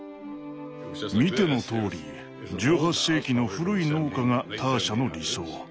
見てのとおり１８世紀の古い農家がターシャの理想。